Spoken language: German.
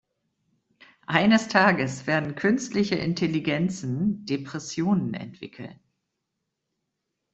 Eines Tages werden künstliche Intelligenzen Depressionen entwickeln.